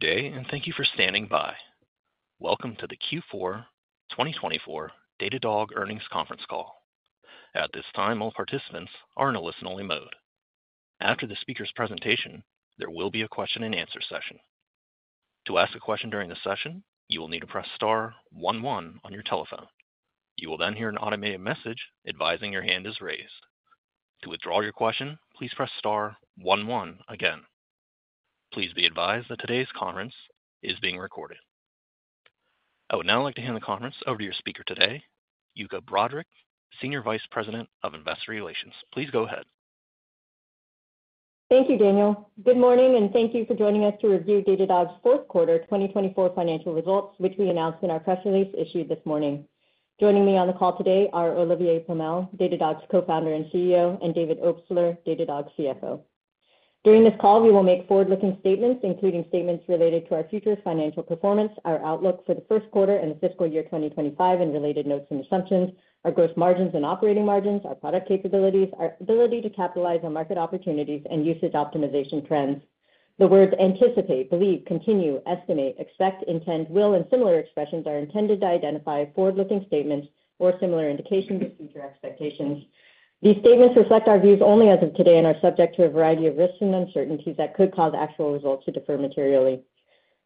Good day, and thank you for standing by. Welcome to the Q4 2024 Datadog earnings conference call. At this time, all participants are in a listen-only mode. After the speaker's presentation, there will be a question-and-answer session. To ask a question during the session, you will need to press star one one on your telephone. You will then hear an automated message advising your hand is raised. To withdraw your question, please press star one one again. Please be advised that today's conference is being recorded. I would now like to hand the conference over to your speaker today, Yuka Broderick, Senior Vice President of Investor Relations. Please go ahead. Thank you, Daniel. Good morning, and thank you for joining us to review Datadog's fourth quarter 2024 financial results, which we announced in our press release issued this morning. Joining me on the call today are Olivier Pomel, Datadog's co-founder and CEO, and David Obstler, Datadog CFO. During this call, we will make forward-looking statements, including statements related to our future financial performance, our outlook for the first quarter and the fiscal year 2025, and related notes and assumptions, our gross margins and operating margins, our product capabilities, our ability to capitalize on market opportunities, and usage optimization trends. The words anticipate, believe, continue, estimate, expect, intend, will, and similar expressions are intended to identify forward-looking statements or similar indications of future expectations. These statements reflect our views only as of today and are subject to a variety of risks and uncertainties that could cause actual results to differ materially.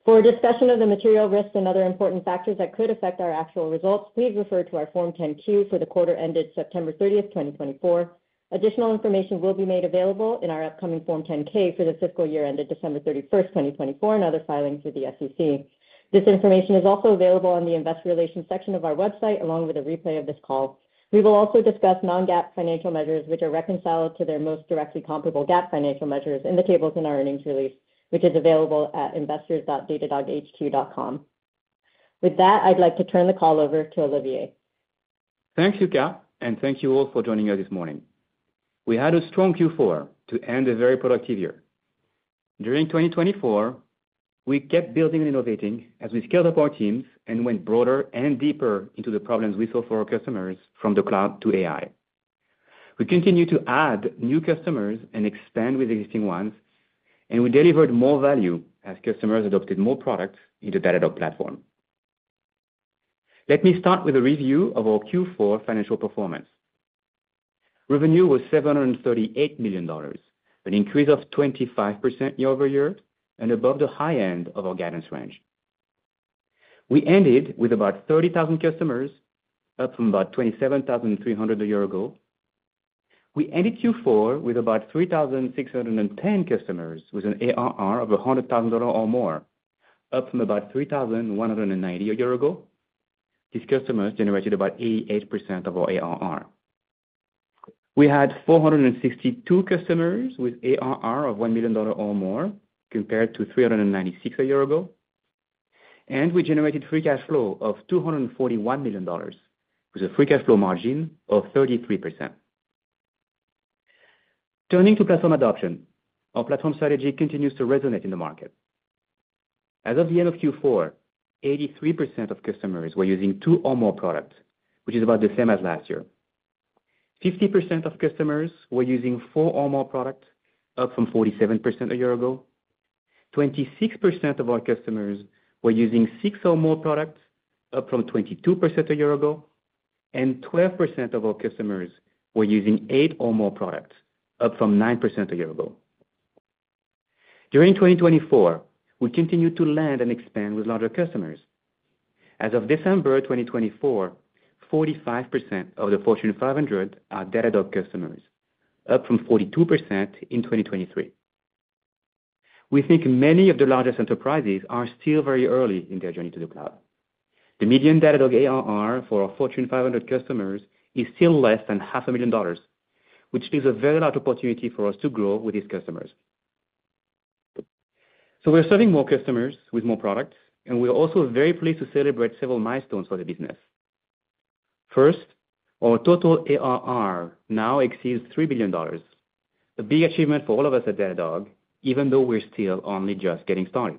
For discussion of the material risks and other important factors that could affect our actual results, please refer to our Form 10-Q for the quarter ended September 30th 2024. Additional information will be made available in our upcoming Form 10-K for the fiscal year ended December 31st 2024, and other filings for the SEC. This information is also available on the Investor Relations section of our website, along with a replay of this call. We will also discuss non-GAAP financial measures, which are reconciled to their most directly comparable GAAP financial measures, in the tables in our earnings release, which is available at investors.datadoghq.com. With that, I'd like to turn the call over to Olivier. Thanks, Yuka, and thank you all for joining us this morning. We had a strong Q4 to end a very productive year. During 2024, we kept building and innovating as we scaled up our teams and went broader and deeper into the problems we saw for our customers from the cloud to AI. We continued to add new customers and expand with existing ones, and we delivered more value as customers adopted more products in the Datadog platform. Let me start with a review of our Q4 financial performance. Revenue was $738 million, an increase of 25% year-over-year, and above the high end of our guidance range. We ended with about 30,000 customers, up from about 27,300 a year ago. We ended Q4 with about 3,610 customers, with an ARR of $100,000 or more, up from about 3,190 a year ago. These customers generated about 88% of our ARR. We had 462 customers with ARR of $1 million or more, compared to 396 a year ago, and we generated free cash flow of $241 million, with a free cash flow margin of 33%. Turning to platform adoption, our platform strategy continues to resonate in the market. As of the end of Q4, 83% of customers were using two or more products, which is about the same as last year. 50% of customers were using four or more products, up from 47% a year ago. 26% of our customers were using six or more products, up from 22% a year ago, and 12% of our customers were using eight or more products, up from 9% a year ago. During 2024, we continued to land and expand with larger customers. As of December 2024, 45% of the Fortune 500 are Datadog customers, up from 42% in 2023. We think many of the largest enterprises are still very early in their journey to the cloud. The median Datadog ARR for our Fortune 500 customers is still less than $500,000, which leaves a very large opportunity for us to grow with these customers, so we're serving more customers with more products, and we're also very pleased to celebrate several milestones for the business. First, our total ARR now exceeds $3 billion, a big achievement for all of us at Datadog, even though we're still only just getting started,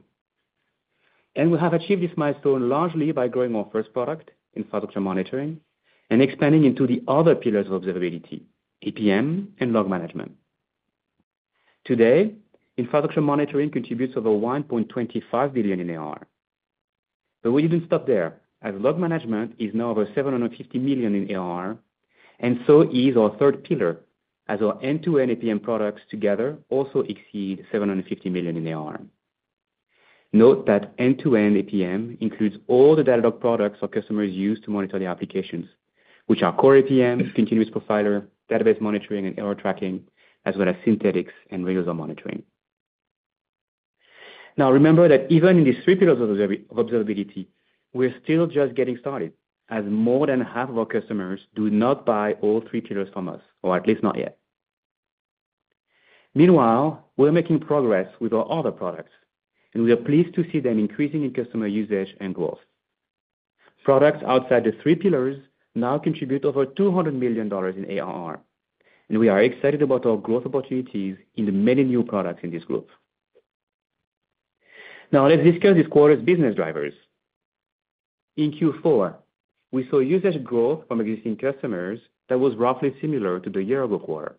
and we have achieved this milestone largely by growing our first product, Infrastructure Monitoring, and expanding into the other pillars of observability, APM and Log Management. Today, Infrastructure Monitoring contributes over $1.25 billion in ARR. But we didn't stop there, as Log Management is now over $750 million in ARR, and so is our third pillar, as our end-to-end APM products together also exceed $750 million in ARR. Note that end-to-end APM includes all the Datadog products our customers use to monitor their applications, which are Core APM, Continuous Profiler, Database Monitoring and Error Tracking, as well as Synthetics and Real User Monitoring. Now, remember that even in these three pillars of observability, we're still just getting started, as more than half of our customers do not buy all three pillars from us, or at least not yet. Meanwhile, we're making progress with our other products, and we are pleased to see them increasing in customer usage and growth. Products outside the three pillars now contribute over $200 million in ARR, and we are excited about our growth opportunities in the many new products in this group. Now, let's discuss this quarter's business drivers. In Q4, we saw usage growth from existing customers that was roughly similar to the year-ago quarter.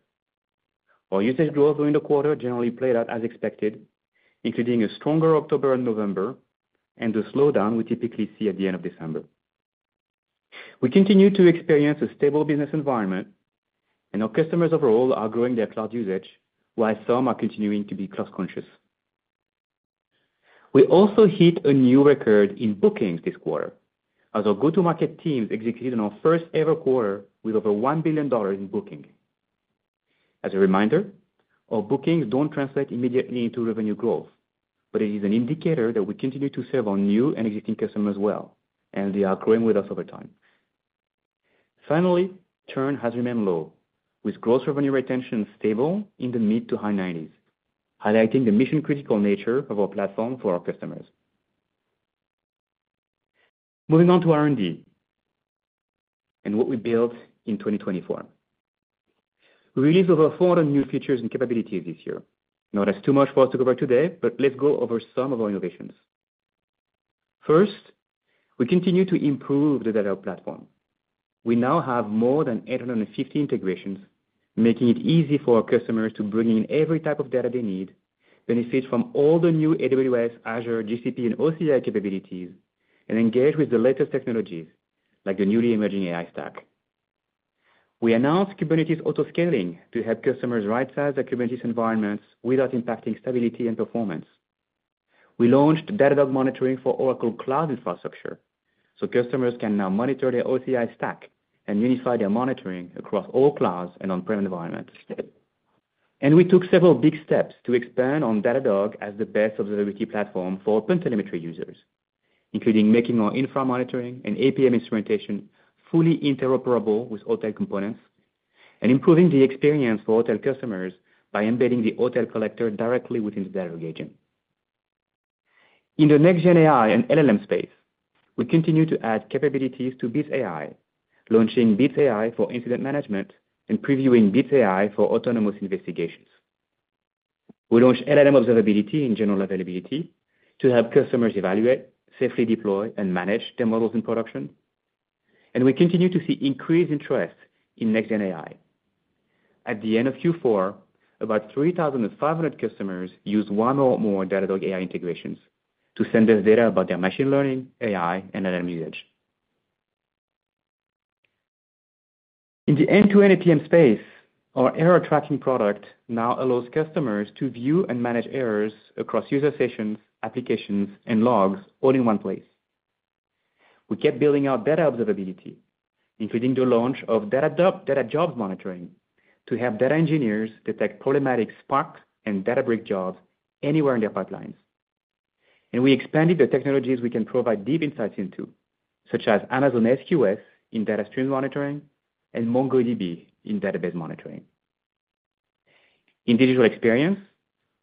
Our usage growth during the quarter generally played out as expected, including a stronger October and November, and the slowdown we typically see at the end of December. We continue to experience a stable business environment, and our customers overall are growing their cloud usage, while some are continuing to be cost-conscious. We also hit a new record in bookings this quarter, as our go-to-market teams executed on our first-ever quarter with over $1 billion in bookings. As a reminder, our bookings don't translate immediately into revenue growth, but it is an indicator that we continue to serve our new and existing customers well, and they are growing with us over time. Finally, churn has remained low, with gross revenue retention stable in the mid- to high-90s, highlighting the mission-critical nature of our platform for our customers. Moving on to R&D and what we built in 2024. We released over 400 new features and capabilities this year. Not too much for us to cover today, but let's go over some of our innovations. First, we continue to improve the Datadog platform. We now have more than 850 integrations, making it easy for our customers to bring in every type of data they need, benefit from all the new AWS, Azure, GCP, and OCI capabilities, and engage with the latest technologies, like the newly emerging AI stack. We announced Kubernetes autoscaling to help customers right-size their Kubernetes environments without impacting stability and performance. We launched Datadog Monitoring for Oracle Cloud Infrastructure, so customers can now monitor their OCI stack and unify their monitoring across all clouds and on-prem environments. We took several big steps to expand on Datadog as the best observability platform for OpenTelemetry users, including making our infra monitoring and APM instrumentation fully interoperable with OTel components and improving the experience for OTel customers by embedding the OTel collector directly within the Datadog Agent. In the next-gen AI and LLM space, we continue to add capabilities to Bits AI, launching Bits AI for incident management and previewing Bits AI for autonomous investigations. We launched LLM Observability and general availability to help customers evaluate, safely deploy, and manage their models in production. And we continue to see increased interest in next-gen AI. At the end of Q4, about 3,500 customers used one or more Datadog AI integrations to send us data about their machine learning, AI, and LLM usage. In the end-to-end APM space, our error tracking product now allows customers to view and manage errors across user sessions, applications, and logs all in one place. We kept building out data observability, including the launch of Datadog Data Jobs Monitoring to help data engineers detect problematic Spark and Databricks jobs anywhere in their pipelines. And we expanded the technologies we can provide deep insights into, such as Amazon SQS in data stream monitoring and MongoDB in database monitoring. In digital experience,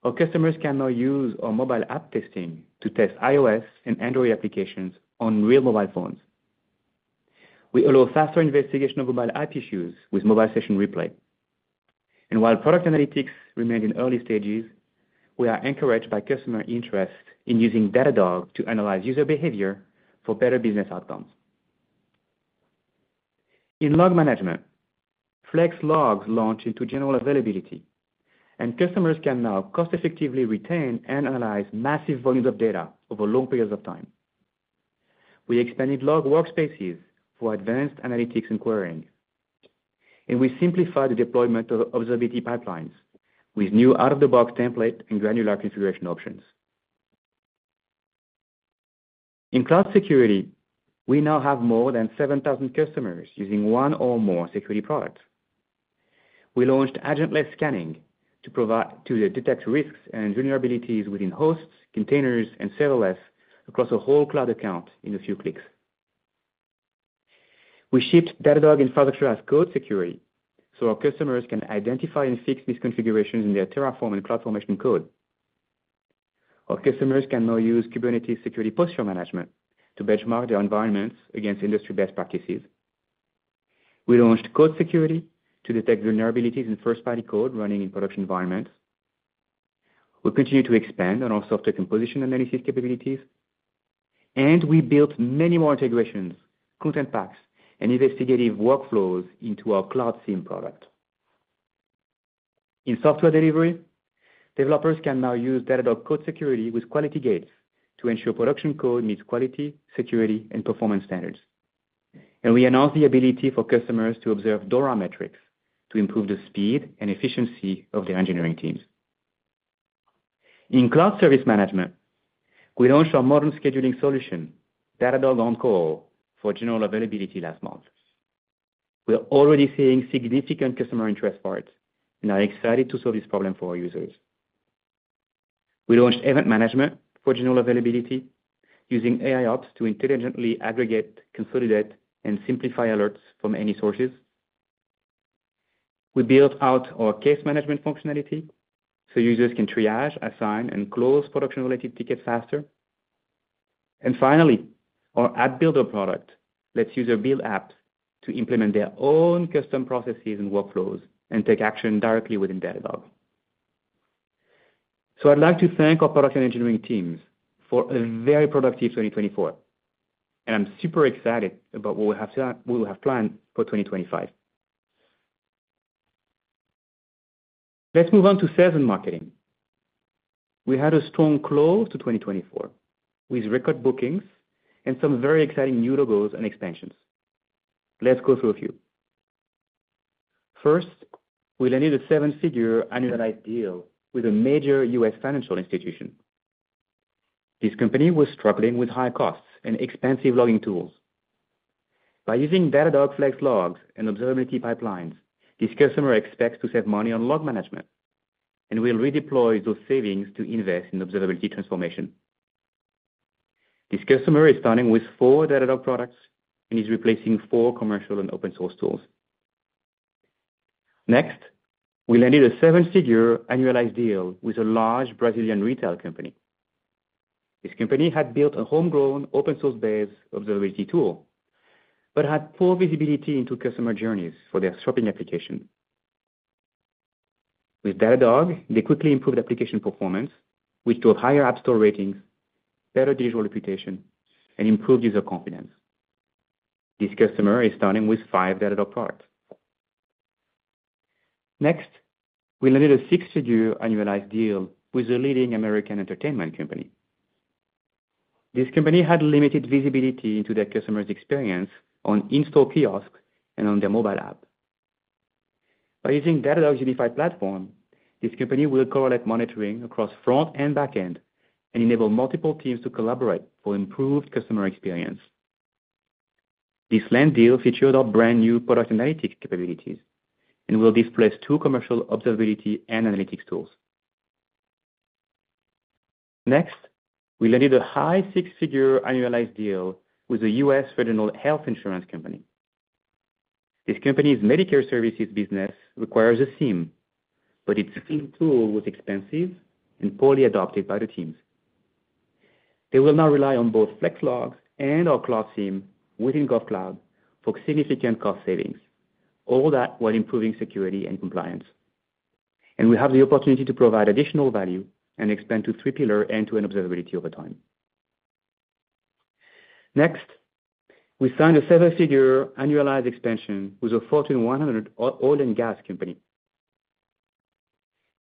our customers can now use our Mobile App Testing to test iOS and Android applications on real mobile phones. We allow faster investigation of mobile app issues with Mobile Session Replay. And while Product Analytics remain in early stages, we are encouraged by customer interest in using Datadog to analyze user behavior for better business outcomes. In Log Management, flex Logs launched into general availability, and customers can now cost-effectively retain and analyze massive volumes of data over long periods of time. We expanded Log Workspaces for advanced analytics and querying, and we simplified the deployment of Observability Pipelines with new out-of-the-box template and granular configuration options. In cloud security, we now have more than 7,000 customers using one or more security products. We launched agentless scanning to detect risks and vulnerabilities within hosts, containers, and serverless across a whole cloud account in a few clicks. We shipped Datadog Infrastructure as Code Security so our customers can identify and fix misconfigurations in their Terraform and CloudFormation code. Our customers can now use Kubernetes Security Posture Management to benchmark their environments against industry best practices. We launched Code Security to detect vulnerabilities in first-party code running in production environments. We continue to expand on our Software Composition Analysis capabilities, and we built many more integrations, content packs, and investigative workflows into our Cloud SIEM product. In software delivery, developers can now use Datadog Code Security with quality gates to ensure production code meets quality, security, and performance standards, and we announced the ability for customers to observe DORA metrics to improve the speed and efficiency of their engineering teams. In cloud service management, we launched our modern scheduling solution, Datadog OnCall, for general availability last month. We're already seeing significant customer interest for it and are excited to solve this problem for our users. We launched Event Management for general availability using AIOps to intelligently aggregate, consolidate, and simplify alerts from any sources. We built out our case management functionality so users can triage, assign, and close production-related tickets faster, and finally, our App Builder product lets users build apps to implement their own custom processes and workflows and take action directly within Datadog, so I'd like to thank our production engineering teams for a very productive 2024, and I'm super excited about what we have planned for 2025. Let's move on to sales and marketing. We had a strong close to 2024 with record bookings and some very exciting new logos and expansions. Let's go through a few. First, we landed a seven-figure annualized deal with a major U.S. financial institution. This company was struggling with high costs and expensive logging tools. By using Datadog Flex Logs and Observability Pipelines, this customer expects to save money on Log Management and will redeploy those savings to invest in observability transformation. This customer is starting with four Datadog products and is replacing four commercial and open-source tools. Next, we landed a seven-figure annualized deal with a large Brazilian retail company. This company had built a homegrown open-source-based observability tool, but had poor visibility into customer journeys for their shopping application. With Datadog, they quickly improved application performance, which drove higher App Store ratings, better digital reputation, and improved user confidence. This customer is starting with five Datadog products. Next, we landed a six-figure annualized deal with a leading American entertainment company. This company had limited visibility into their customers' experience on in-store kiosk and on their mobile app. By using Datadog's unified platform, this company will correlate monitoring across front and back end and enable multiple teams to collaborate for improved customer experience. This land deal featured our brand-new product analytics capabilities and will displace two commercial observability and analytics tools. Next, we landed a high six-figure annualized deal with a U.S. federal health insurance company. This company's Medicare services business requires a SIEM, but its SIEM tool was expensive and poorly adopted by the teams. They will now rely on both Flex Logs and our Cloud SIEM within GovCloud for significant cost savings, all that while improving security and compliance, and we have the opportunity to provide additional value and expand to three-pillar end-to-end observability over time. Next, we signed a seven-figure annualized expansion with a Fortune 100 oil and gas company.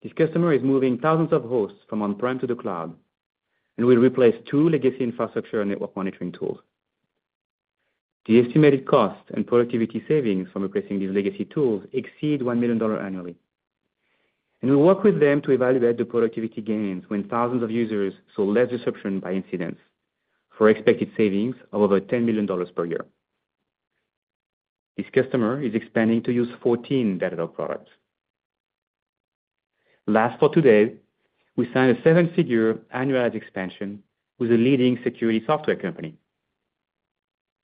This customer is moving thousands of hosts from on-prem to the cloud and will replace two legacy infrastructure and network monitoring tools. The estimated cost and productivity savings from replacing these legacy tools exceed $1 million annually. And we work with them to evaluate the productivity gains when thousands of users saw less disruption by incidents for expected savings of over $10 million per year. This customer is expanding to use 14 Datadog products. Last for today, we signed a seven-figure annualized expansion with a leading security software company.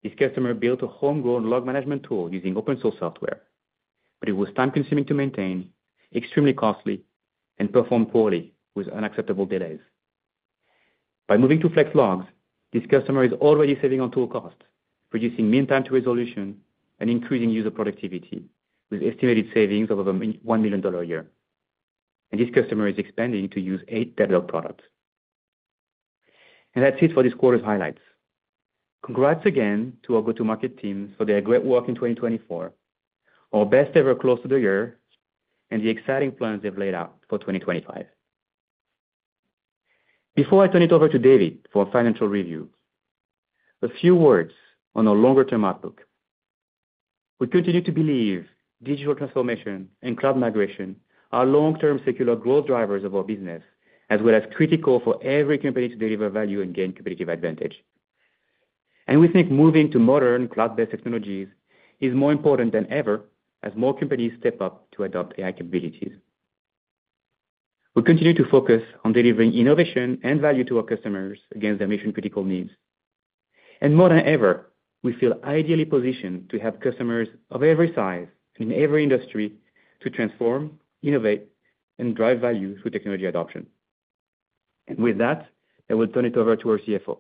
This customer built a homegrown Log Management tool using open-source software, but it was time-consuming to maintain, extremely costly, and performed poorly with unacceptable delays. By moving to Flex Logs, this customer is already saving on tool costs, reducing meantime to resolution and increasing user productivity with estimated savings of over $1 million a year. This customer is expanding to use eight Datadog products. That's it for this quarter's highlights. Congrats again to our go-to-market teams for their great work in 2024, our best-ever close to the year, and the exciting plans they've laid out for 2025. Before I turn it over to David for a financial review, a few words on our longer-term outlook. We continue to believe digital transformation and cloud migration are long-term secular growth drivers of our business, as well as critical for every company to deliver value and gain competitive advantage. We think moving to modern cloud-based technologies is more important than ever as more companies step up to adopt AI capabilities. We continue to focus on delivering innovation and value to our customers against their mission-critical needs. More than ever, we feel ideally positioned to help customers of every size and in every industry to transform, innovate, and drive value through technology adoption. With that, I will turn it over to our CFO.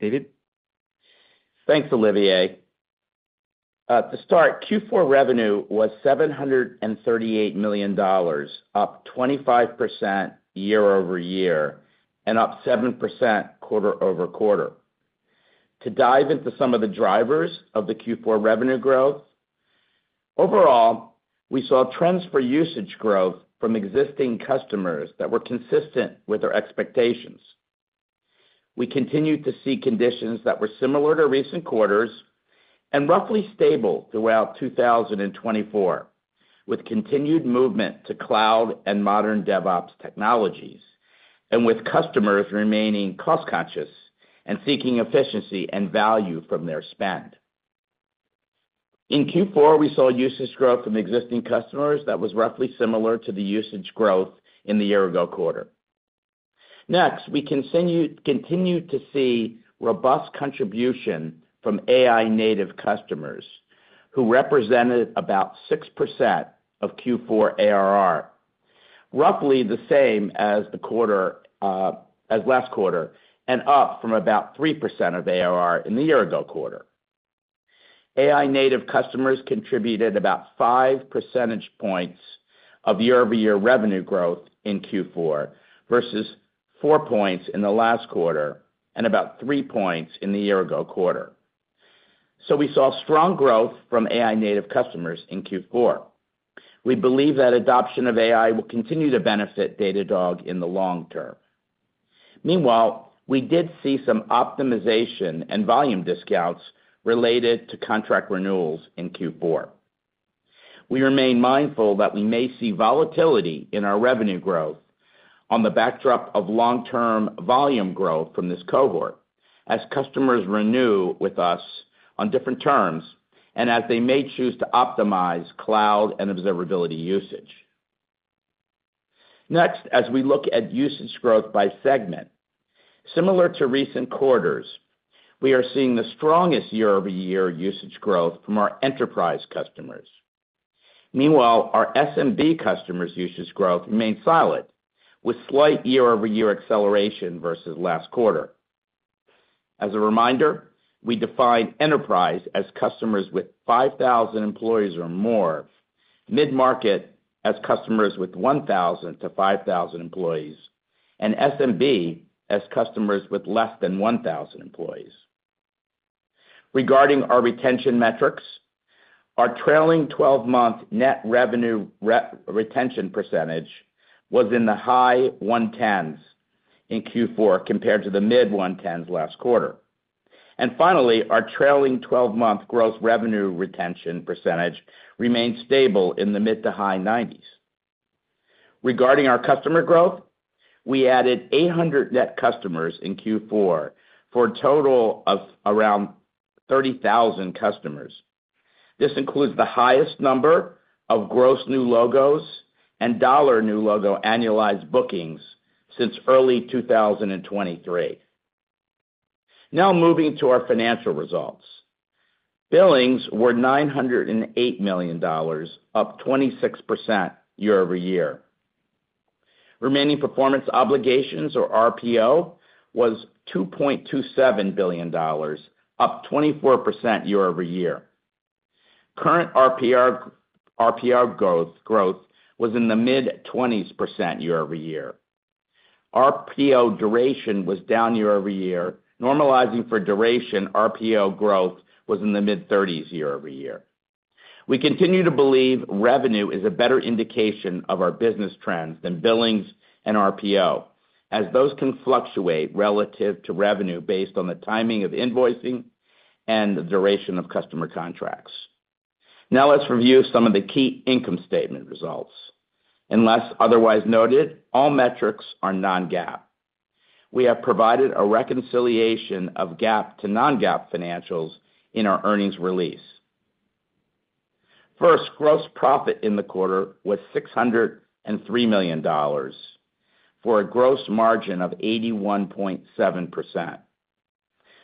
David? Thanks, Olivier. To start, Q4 revenue was $738 million, up 25% year-over-year and up 7% quarter-over-quarter. To dive into some of the drivers of the Q4 revenue growth, overall, we saw trends for usage growth from existing customers that were consistent with our expectations. We continued to see conditions that were similar to recent quarters and roughly stable throughout 2024, with continued movement to cloud and modern DevOps technologies, and with customers remaining cost-conscious and seeking efficiency and value from their spend. In Q4, we saw usage growth from existing customers that was roughly similar to the usage growth in the year-ago quarter. Next, we continue to see robust contribution from AI-native customers who represented about 6% of Q4 ARR, roughly the same as last quarter and up from about 3% of ARR in the year-ago quarter. AI-native customers contributed about 5 percentage points of year-over-year revenue growth in Q4 versus 4 points in the last quarter and about 3 points in the year-ago quarter. So we saw strong growth from AI-native customers in Q4. We believe that adoption of AI will continue to benefit Datadog in the long term. Meanwhile, we did see some optimization and volume discounts related to contract renewals in Q4. We remain mindful that we may see volatility in our revenue growth on the backdrop of long-term volume growth from this cohort as customers renew with us on different terms and as they may choose to optimize cloud and observability usage. Next, as we look at usage growth by segment, similar to recent quarters, we are seeing the strongest year-over-year usage growth from our enterprise customers. Meanwhile, our SMB customers' usage growth remained solid with slight year-over-year acceleration versus last quarter. As a reminder, we define enterprise as customers with 5,000 employees or more, mid-market as customers with 1,000 to 5,000 employees, and SMB as customers with less than 1,000 employees. Regarding our retention metrics, our trailing 12-month net revenue retention percentage was in the high one-tens in Q4 compared to the mid-one-tens last quarter. Finally, our trailing 12-month gross revenue retention percentage remained stable in the mid to high 90s. Regarding our customer growth, we added 800 net customers in Q4 for a total of around 30,000 customers. This includes the highest number of gross new logos and dollar new logo annualized bookings since early 2023. Now moving to our financial results. Billings were $908 million, up 26% year-over-year. Remaining performance obligations, or RPO, was $2.27 billion, up 24% year-over-year. Current RPO growth was in the mid-20% year-over-year. RPO duration was down year-over-year. Normalizing for duration, RPO growth was in the mid-30% year-over-year. We continue to believe revenue is a better indication of our business trends than billings and RPO, as those can fluctuate relative to revenue based on the timing of invoicing and the duration of customer contracts. Now let's review some of the key income statement results. Unless otherwise noted, all metrics are non-GAAP. We have provided a reconciliation of GAAP to non-GAAP financials in our earnings release. First, gross profit in the quarter was $603 million for a gross margin of 81.7%.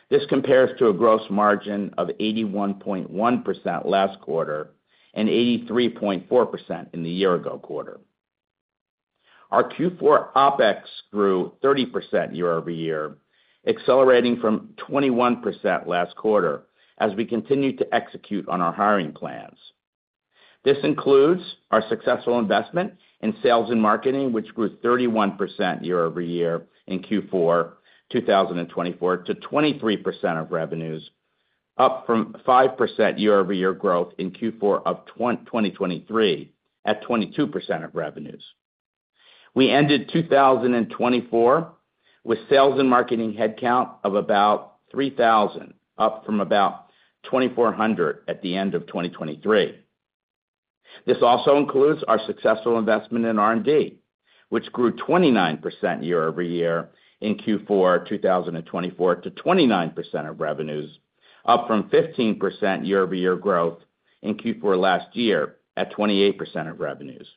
This compares to a gross margin of 81.1% last quarter and 83.4% in the year-ago quarter. Our Q4 OpEx grew 30% year-over-year, accelerating from 21% last quarter as we continue to execute on our hiring plans. This includes our successful investment in sales and marketing, which grew 31% year-over-year in Q4 2024 to 23% of revenues, up from 5% year-over-year growth in Q4 of 2023 at 22% of revenues. We ended 2024 with sales and marketing headcount of about 3,000, up from about 2,400 at the end of 2023. This also includes our successful investment in R&D, which grew 29% year-over-year in Q4 2024 to 29% of revenues, up from 15% year-over-year growth in Q4 last year at 28% of revenues.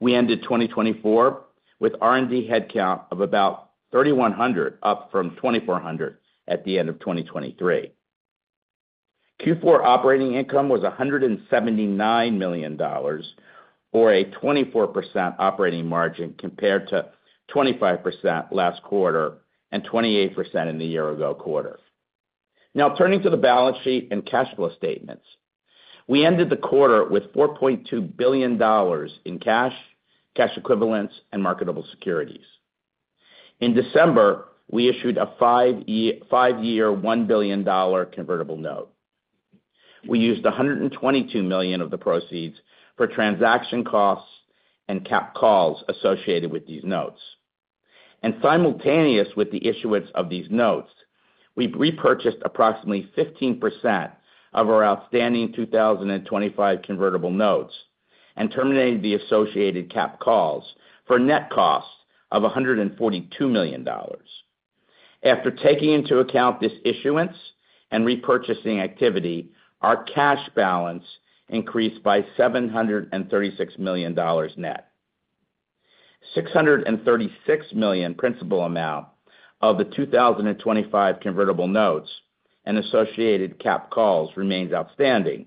We ended 2024 with R&D headcount of about 3,100, up from 2,400 at the end of 2023. Q4 operating income was $179 million or a 24% operating margin compared to 25% last quarter and 28% in the year-ago quarter. Now turning to the balance sheet and cash flow statements, we ended the quarter with $4.2 billion in cash, cash equivalents, and marketable securities. In December, we issued a five-year $1 billion convertible note. We used $122 million of the proceeds for transaction costs and cap calls associated with these notes, and simultaneous with the issuance of these notes, we repurchased approximately 15% of our outstanding 2025 convertible notes and terminated the associated cap calls for a net cost of $142 million. After taking into account this issuance and repurchasing activity, our cash balance increased by $736 million net. $636 million principal amount of the 2025 convertible notes and associated cap calls remains outstanding,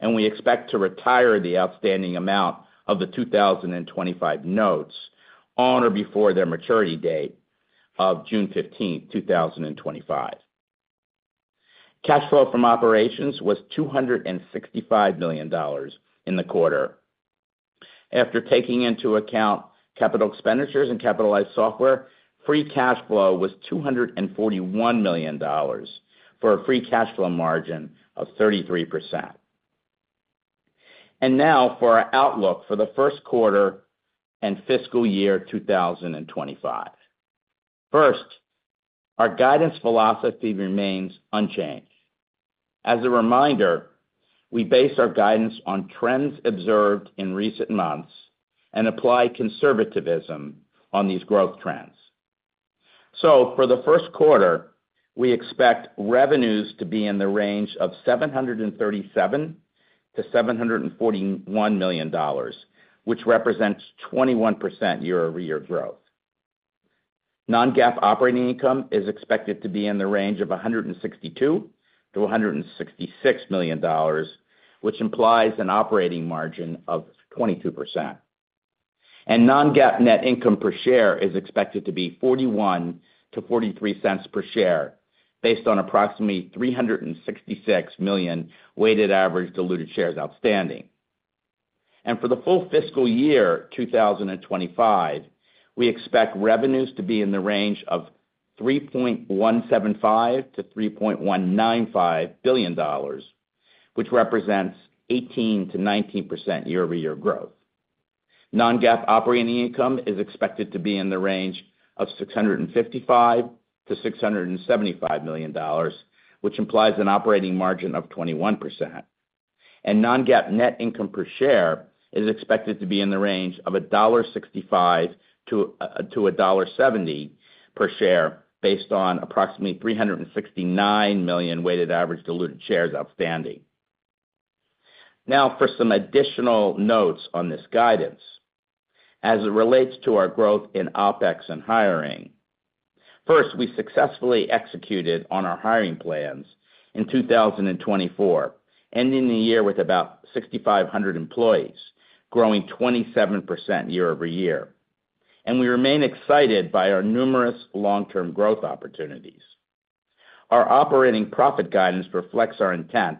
and we expect to retire the outstanding amount of the 2025 notes on or before their maturity date of June 15, 2025. Cash flow from operations was $265 million in the quarter. After taking into account capital expenditures and capitalized software, free cash flow was $241 million for a free cash flow margin of 33%, and now for our outlook for the first quarter and fiscal year 2025. First, our guidance philosophy remains unchanged. As a reminder, we base our guidance on trends observed in recent months and apply conservatism on these growth trends, so for the first quarter, we expect revenues to be in the range of $737 million-$741 million, which represents 21% year-over-year growth. Non-GAAP operating income is expected to be in the range of $162 million-$166 million, which implies an operating margin of 22%, and non-GAAP net income per share is expected to be $0.41-$0.43 per share based on approximately 366 million weighted average diluted shares outstanding. And for the full fiscal year 2025, we expect revenues to be in the range of $3.175 billion-$3.195 billion, which represents 18%-19% year-over-year growth. Non-GAAP operating income is expected to be in the range of $655 million-$675 million, which implies an operating margin of 21%. And Non-GAAP net income per share is expected to be in the range of $1.65-$1.70 per share based on approximately 369 million weighted average diluted shares outstanding. Now for some additional notes on this guidance as it relates to our growth in OpEx and hiring. First, we successfully executed on our hiring plans in 2024, ending the year with about 6,500 employees, growing 27% year-over-year. And we remain excited by our numerous long-term growth opportunities. Our operating profit guidance reflects our intent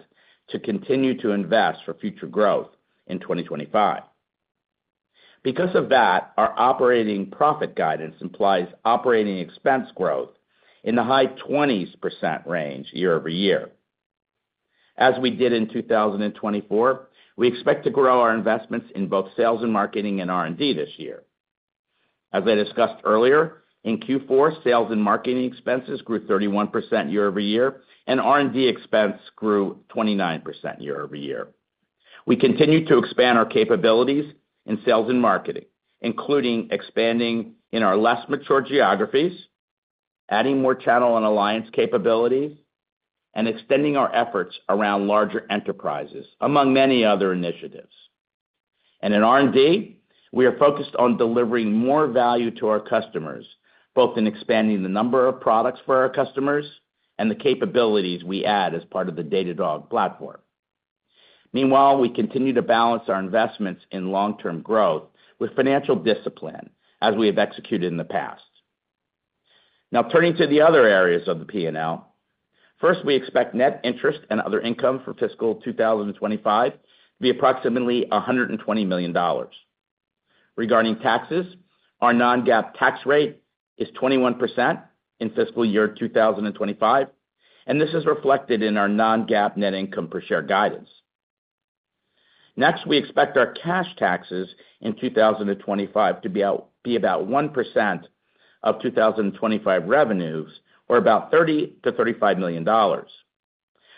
to continue to invest for future growth in 2025. Because of that, our operating profit guidance implies operating expense growth in the high 20% range year-over-year. As we did in 2024, we expect to grow our investments in both sales and marketing and R&D this year. As I discussed earlier, in Q4, sales and marketing expenses grew 31% year-over-year, and R&D expense grew 29% year-over-year. We continue to expand our capabilities in sales and marketing, including expanding in our less mature geographies, adding more channel and alliance capabilities, and extending our efforts around larger enterprises, among many other initiatives, and in R&D, we are focused on delivering more value to our customers, both in expanding the number of products for our customers and the capabilities we add as part of the Datadog platform. Meanwhile, we continue to balance our investments in long-term growth with financial discipline as we have executed in the past. Now turning to the other areas of the P&L. First, we expect net interest and other income for fiscal 2025 to be approximately $120 million. Regarding taxes, our non-GAAP tax rate is 21% in fiscal year 2025, and this is reflected in our non-GAAP net income per share guidance. Next, we expect our cash taxes in 2025 to be about 1% of 2025 revenues, or about $30 million-$35 million.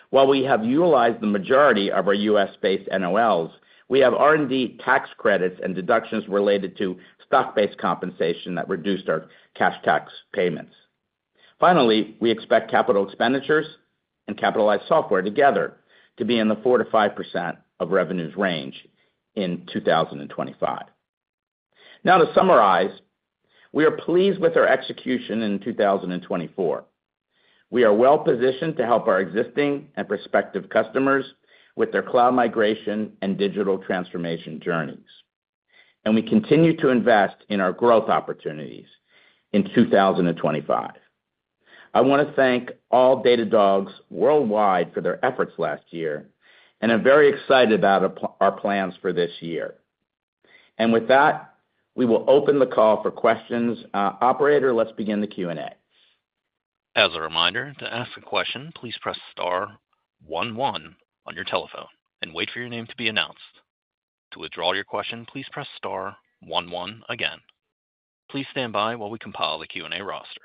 While we have utilized the majority of our U.S.-based NOLs, we have R&D tax credits and deductions related to stock-based compensation that reduced our cash tax payments. Finally, we expect capital expenditures and capitalized software together to be in the 4%-5% of revenues range in 2025. Now to summarize, we are pleased with our execution in 2024. We are well-positioned to help our existing and prospective customers with their cloud migration and digital transformation journeys. We continue to invest in our growth opportunities in 2025. I want to thank all Datadogs worldwide for their efforts last year, and I'm very excited about our plans for this year. With that, we will open the call for questions. Operator, let's begin the Q&A. As a reminder, to ask a question, please press star one one on your telephone and wait for your name to be announced. To withdraw your question, please press star one one again. Please stand by while we compile the Q&A roster.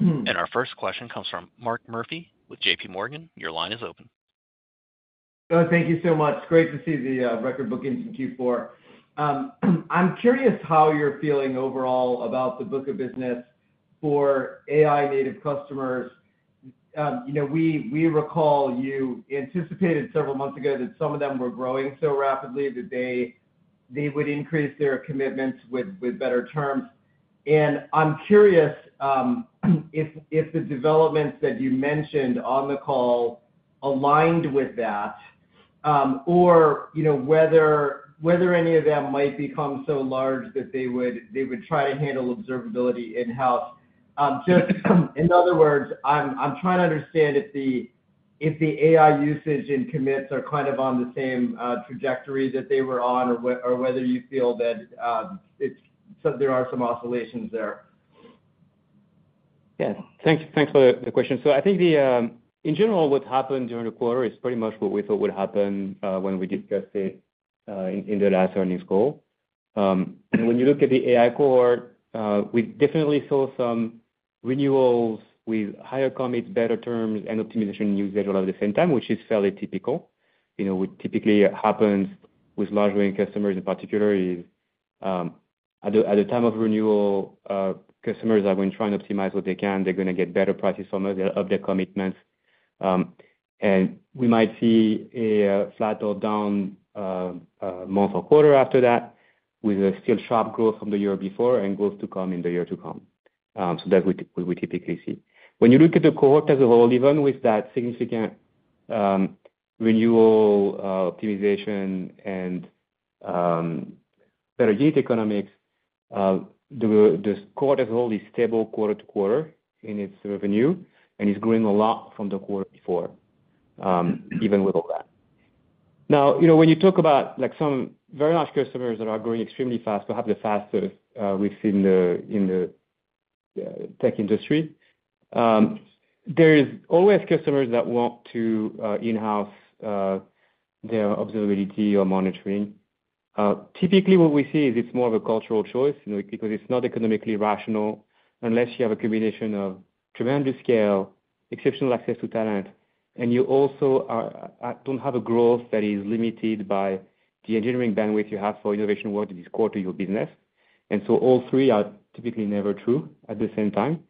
Our first question comes from Mark Murphy with JPMorgan. Your line is open. Thank you so much. Great to see the record bookings in Q4. I'm curious how you're feeling overall about the book of business for AI-native customers. We recall you anticipated several months ago that some of them were growing so rapidly that they would increase their commitments with better terms, and I'm curious if the developments that you mentioned on the call aligned with that, or whether any of them might become so large that they would try to handle observability in-house. In other words, I'm trying to understand if the AI usage and commits are kind of on the same trajectory that they were on, or whether you feel that there are some oscillations there. Yeah. Thanks for the question, so I think, in general, what happened during the quarter is pretty much what we thought would happen when we discussed it in the last earnings call. When you look at the AI cohort, we definitely saw some renewals with higher commits, better terms, and optimization in usage all at the same time, which is fairly typical. What typically happens with large customers in particular is, at the time of renewal, customers are going to try and optimize what they can. They're going to get better prices from us, up their commitments. And we might see a flat or down month or quarter after that with still sharp growth from the year before and growth to come in the year to come. So that's what we typically see. When you look at the cohort as a whole, even with that significant renewal optimization and better unit economics, the cohort as a whole is stable quarter to quarter in its revenue, and it's growing a lot from the quarter before, even with all that. Now, when you talk about some very large customers that are growing extremely fast, perhaps the fastest within the tech industry, there are always customers that want to in-house their observability or monitoring. Typically, what we see is it's more of a cultural choice because it's not economically rational unless you have a combination of tremendous scale, exceptional access to talent, and you also don't have a growth that is limited by the engineering bandwidth you have for innovation work that is core to your business. And so all three are typically never true at the same time.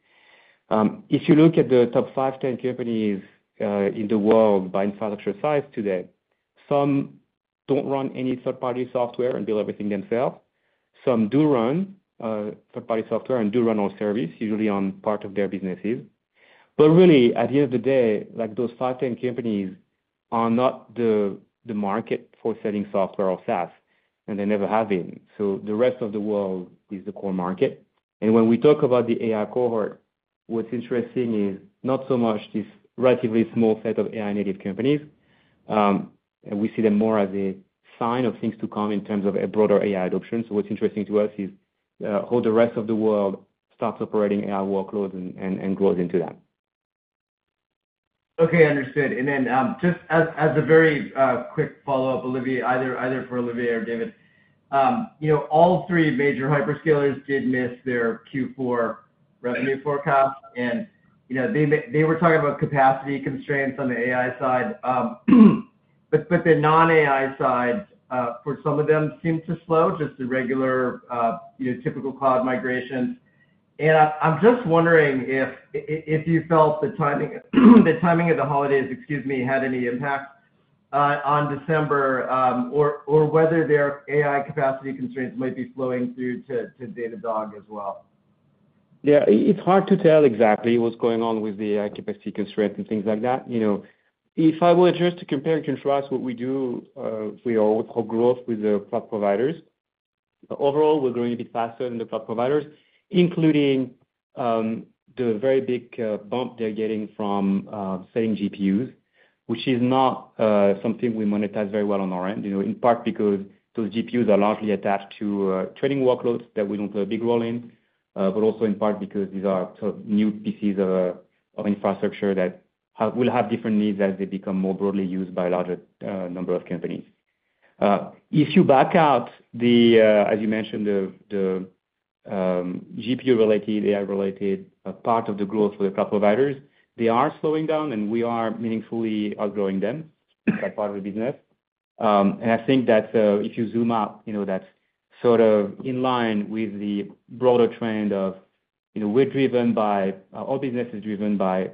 If you look at the top 510 companies in the world by infrastructure size today, some don't run any third-party software and build everything themselves. Some do run third-party software and do run on service, usually on part of their businesses. But really, at the end of the day, those 510 companies are not the market for selling software or SaaS, and they never have been. So the rest of the world is the core market. And when we talk about the AI cohort, what's interesting is not so much this relatively small set of AI-native companies. We see them more as a sign of things to come in terms of a broader AI adoption. So what's interesting to us is how the rest of the world starts operating AI workloads and grows into that. Okay. Understood. And then just as a very quick follow-up, Olivier, either for Olivier or David, all three major hyperscalers did miss their Q4 revenue forecast. And they were talking about capacity constraints on the AI side. But the non-AI side, for some of them, seemed to slow just to regular typical cloud migrations. And I'm just wondering if you felt the timing of the holidays, excuse me, had any impact on December, or whether their AI capacity constraints might be flowing through to Datadog as well. Yeah. It's hard to tell exactly what's going on with the AI capacity constraints and things like that. If I were just to compare and contrast what we do, we are overall growth with the cloud providers. Overall, we're growing a bit faster than the cloud providers, including the very big bump they're getting from selling GPUs, which is not something we monetize very well on our end, in part because those GPUs are largely attached to training workloads that we don't play a big role in, but also in part because these are new pieces of infrastructure that will have different needs as they become more broadly used by a larger number of companies. If you back out the, as you mentioned, the GPU-related, AI-related part of the growth for the cloud providers, they are slowing down, and we are meaningfully outgrowing them as part of the business. I think that if you zoom out, that's sort of in line with the broader trend of we're driven by all business is driven by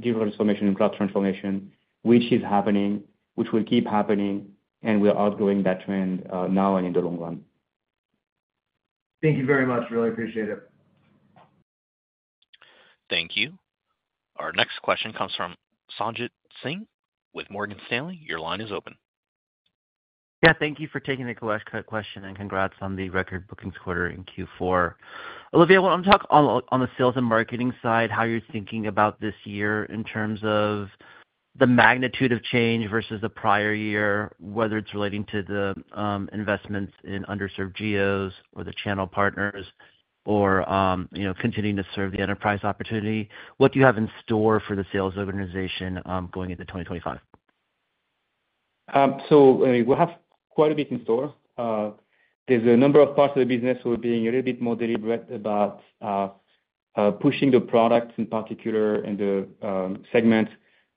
digital transformation and cloud transformation, which is happening, which will keep happening, and we're outgrowing that trend now and in the long run. Thank you very much. Really appreciate it. Thank you. Our next question comes from Sanjit Singh with Morgan Stanley. Your line is open. Yeah. Thank you for taking the question and congrats on the record bookings quarter in Q4. Olivier, I want to talk on the sales and marketing side, how you're thinking about this year in terms of the magnitude of change versus the prior year, whether it's relating to the investments in underserved geos or the channel partners or continuing to serve the enterprise opportunity. What do you have in store for the sales organization going into 2025? So we have quite a bit in store. There's a number of parts of the business who are being a little bit more deliberate about pushing the product in particular in the segment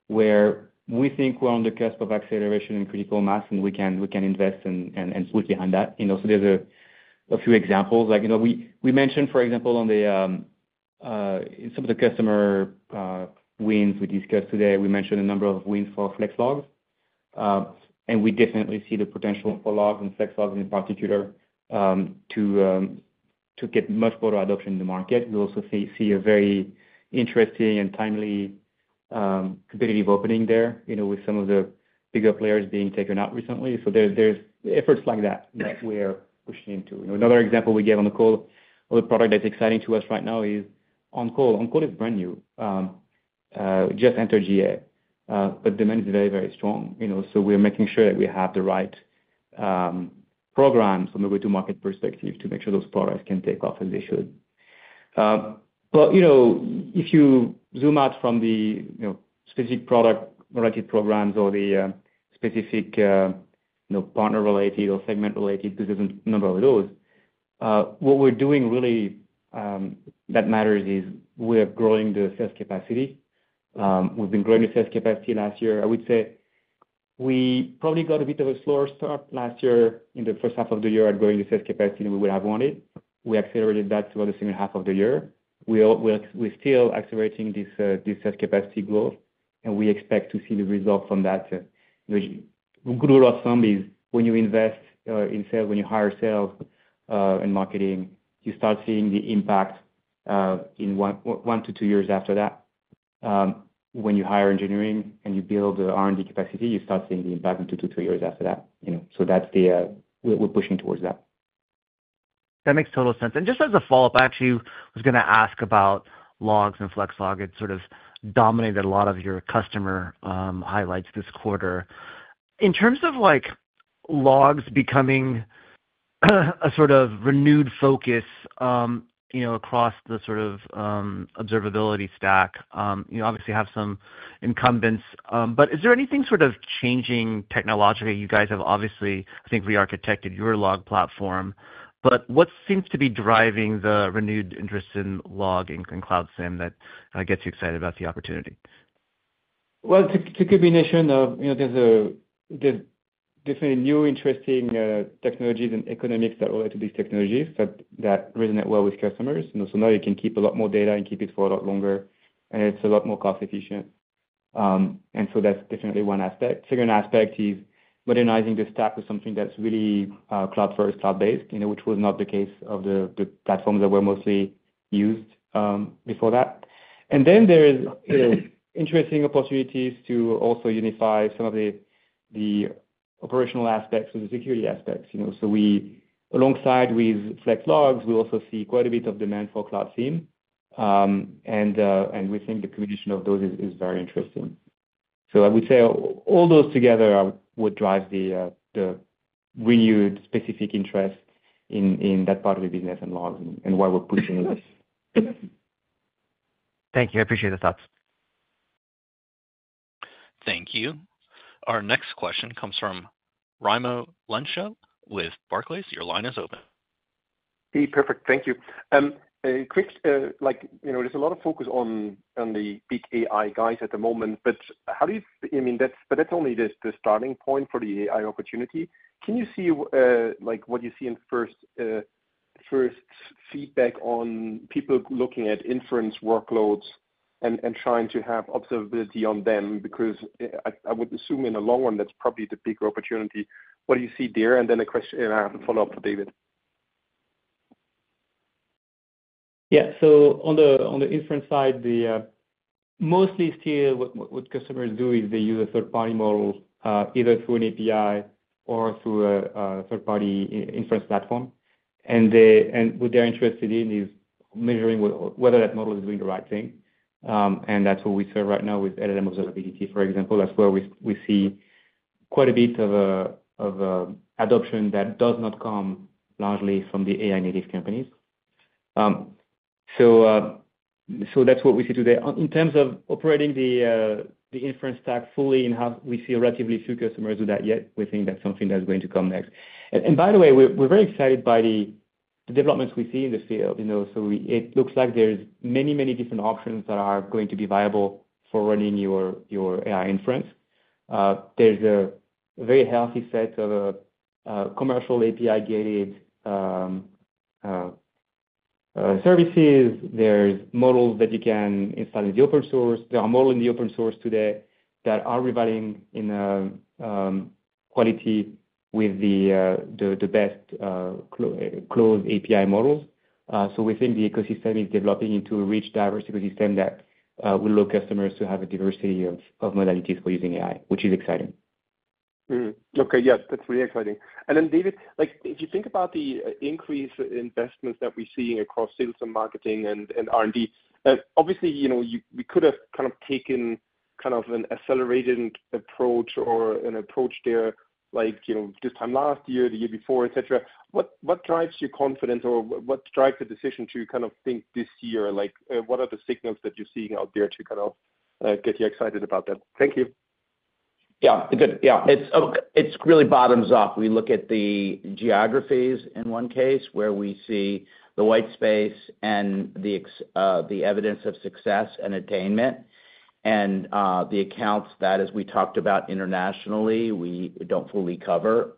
where we think we're on the cusp of acceleration and critical mass, and we can invest and push behind that. And also there's a few examples. We mentioned, for example, in some of the customer wins we discussed today, we mentioned a number of wins for Flex Logs. We definitely see the potential for Logs and Flex Logs in particular to get much broader adoption in the market. We also see a very interesting and timely competitive opening there with some of the bigger players being taken out recently. There's efforts like that that we are pushing into. Another example we gave on the call of a product that's exciting to us right now is OnCall. OnCall is brand new. It just entered GA, but demand is very, very strong. We are making sure that we have the right programs from a go-to-market perspective to make sure those products can take off as they should. If you zoom out from the specific product-related programs or the specific partner-related or segment-related, because there's a number of those, what we're doing really that matters is we're growing the sales capacity. We've been growing the sales capacity last year. I would say we probably got a bit of a slower start last year in the first half of the year at growing the sales capacity than we would have wanted. We accelerated that throughout the second half of the year. We're still accelerating this sales capacity growth, and we expect to see the result from that. The good rule of thumb is when you invest in sales, when you hire sales and marketing, you start seeing the impact in one to two years after that. When you hire engineering and you build the R&D capacity, you start seeing the impact in two to three years after that. So we're pushing towards that. That makes total sense. And just as a follow-up, I actually was going to ask about Logs and Flex Logs. It sort of dominated a lot of your customer highlights this quarter. In terms of Logs becoming a sort of renewed focus across the sort of observability stack, obviously have some incumbents, but is there anything sort of changing technologically? You guys have obviously, I think, re-architected your log platform, but what seems to be driving the renewed interest in logging and Cloud SIEM that gets you excited about the opportunity? Well, to keep you in the vein of, there's definitely new interesting technologies and economics that relate to these technologies that resonate well with customers. So now you can keep a lot more data and keep it for a lot longer, and it's a lot more cost-efficient. And so that's definitely one aspect. Second aspect is modernizing the stack with something that's really cloud-first, cloud-based, which was not the case of the platforms that were mostly used before that. And then there are interesting opportunities to also unify some of the operational aspects with the security aspects. So alongside with Flex Logs, we also see quite a bit of demand for Cloud SIEM, and we think the combination of those is very interesting. So I would say all those together are what drives the renewed specific interest in that part of the business and Logs and why we're pushing this. Thank you. I appreciate the thoughts. Thank you. Our next question comes from Raimo Lenschow with Barclays. Your line is open. Perfect. Thank you. There's a lot of focus on the big AI guys at the moment, but how do you—I mean, but that's only the starting point for the AI opportunity. Can you see what you see in first feedback on people looking at inference workloads and trying to have observability on them? Because I would assume in the long run, that's probably the bigger opportunity. What do you see there? And then a question I have to follow up for David. Yeah. So on the inference side, mostly still what customers do is they use a third-party model either through an API or through a third-party inference platform. And what they're interested in is measuring whether that model is doing the right thing. And that's what we serve right now with LLM Observability, for example. That's where we see quite a bit of adoption that does not come largely from the AI-native companies. So that's what we see today. In terms of operating the inference stack fully in-house, we see relatively few customers do that yet. We think that's something that's going to come next. And by the way, we're very excited by the developments we see in the field. So it looks like there's many, many different options that are going to be viable for running your AI inference. There's a very healthy set of commercial API-gated services. There's models that you can install in the open source. There are models in the open source today that are rivaling in quality with the best closed API models. So we think the ecosystem is developing into a rich, diverse ecosystem that will allow customers to have a diversity of modalities for using AI, which is exciting. Okay. Yes, that's really exciting. And then, David, if you think about the increase in investments that we're seeing across sales and marketing and R&D, obviously, we could have kind of taken kind of an accelerated approach or an approach there this time last year, the year before, etc. What drives your confidence or what drives the decision to kind of think this year? What are the signals that you're seeing out there to kind of get you excited about that? Thank you. Yeah. Yeah. It's really bottoms up. We look at the geographies. In one case where we see the white space and the evidence of success and attainment and the accounts that, as we talked about internationally, we don't fully cover.